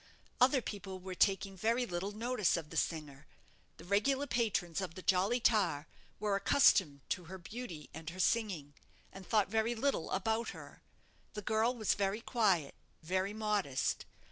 Other people were taking very little notice of the singer. The regular patrons of the 'Jolly Tar' were accustomed to her beauty and her singing, and thought very little about her. The girl was very quiet, very modest.